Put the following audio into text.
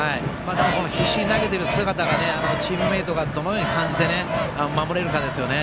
必死に投げている姿がチームメートがどのように感じて守れるかですよね。